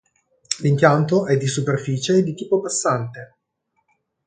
L'impianto è di superficie e di tipo passante.